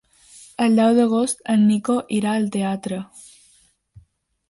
El deu d'agost en Nico irà al teatre.